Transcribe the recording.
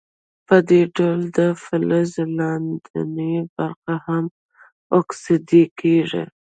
په دې ډول د فلز لاندینۍ برخې هم اکسیدي کیږي.